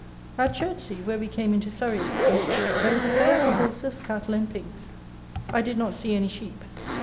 At Chertsey, where we came into Surrey again, there was a Fair for horses, cattle, and pigs. I did not see any sheep.